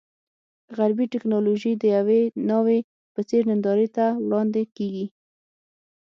غربي ټکنالوژي د یوې ناوې په څېر نندارې ته وړاندې کېږي.